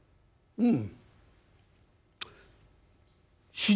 うん。